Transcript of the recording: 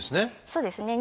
そうですね。